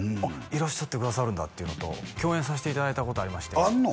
いらっしゃってくださるんだっていうのと共演させていただいたことありましてあるの？